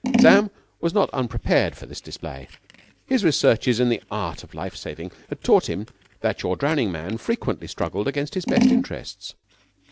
Sam was not unprepared for this display. His researches in the art of life saving had taught him that your drowning man frequently struggled against his best interests.